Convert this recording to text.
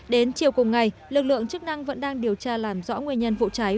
đến chiều cùng ngày lực lượng chức năng vẫn đang điều tra làm rõ nguyên nhân vụ cháy